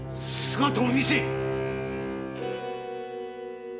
姿を見せい！